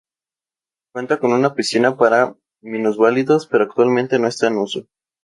Cuenta con una piscina para minusválidos pero actualmente no está en uso.